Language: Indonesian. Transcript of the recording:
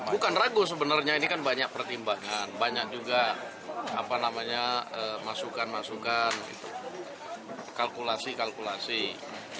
bukan ragu sebenarnya ini kan banyak pertimbangan banyak juga masukan masukan kalkulasi kalkulasi